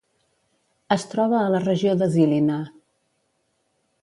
Es troba a la regió de Žilina.